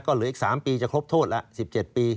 ก็เหลืออีก๓ปีจะครบโทษแล้ว๑๗ปี